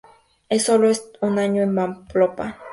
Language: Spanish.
Sólo está un año en Pamplona.